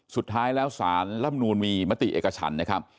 สุดท้ายแล้วสารลำนูนมีมติเอกชันนะครับ